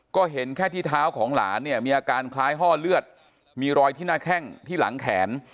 ก็เห็นแค่ที่เท้าของหลานเนี่ยมีอาการคล้ายห้อเลือดมีรอยที่หน้าแข้งที่หลังแขน